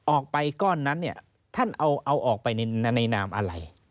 ออกไปก้อนนั้นเนี่ยท่านเอาออกไปในนามอะไร